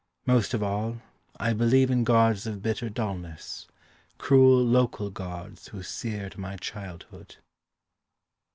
Most of all I believe In gods of bitter dullness, Cruel local gods Who scared my childhood.